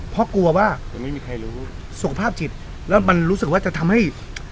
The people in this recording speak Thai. เพราะกลัวว่าจะไม่มีใครรู้สุขภาพจิตแล้วมันรู้สึกว่าจะทำให้